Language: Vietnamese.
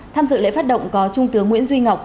tham dự lễ phát động có trung tướng nguyễn duy ngọc